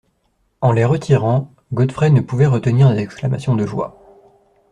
En les retirant, Godfrey ne pouvait retenir des exclamations de joie!